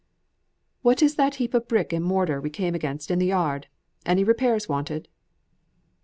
"What is that heap of brick and mortar we came against in the yard? Any repairs wanted?"